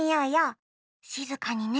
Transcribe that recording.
しずかにね。